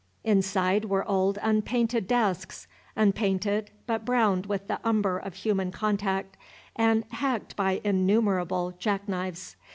Inside were old unpainted desks, unpainted, but browned with the umber of human contact, and hacked by innumerable jack knives.